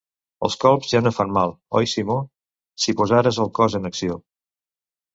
Els colps ja no fan mal, oi Simó? Si posares el cos en acció...